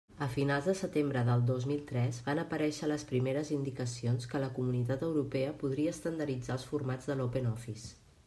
A finals de setembre del dos mil tres van aparèixer les primeres indicacions que la Comunitat Europea podria estandarditzar els formats de l'OpenOffice.